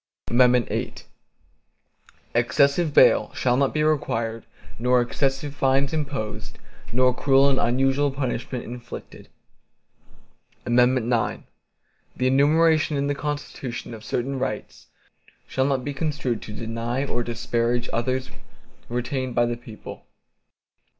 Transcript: VIII Excessive bail shall not be required nor excessive fines imposed, nor cruel and unusual punishments inflicted. IX The enumeration in the Constitution, of certain rights, shall not be construed to deny or disparage others retained by the people.